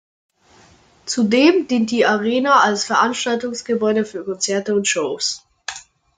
Zudem dient die Arena als Veranstaltungsgebäude für Konzerte und Shows.